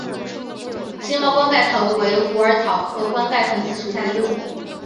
星毛冠盖藤为虎耳草科冠盖藤属下的一个种。